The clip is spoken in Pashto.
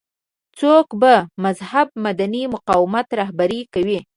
څوک به مهذب مدني مقاومت رهبري کوي.